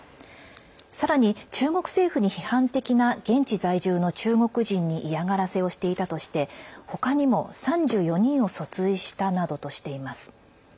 さらに中国政府に批判的な現地在住の中国人に嫌がらせをしていたとして他にも３４人を訴追したなどとしています。